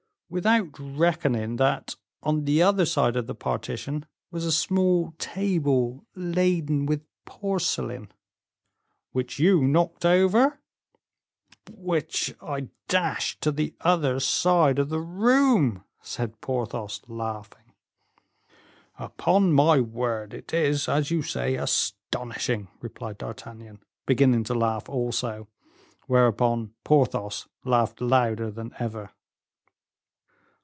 "Without reckoning that on the other side of the partition was a small table laden with porcelain " "Which you knocked over?" "Which I dashed to the other side of the room," said Porthos, laughing. "Upon my word, it is, as you say, astonishing," replied D'Artagnan, beginning to laugh also; whereupon Porthos laughed louder than ever.